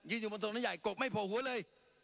ยืนอยู่บนตำรงหน้าใหญ่กกไม่โผ่หัวเลย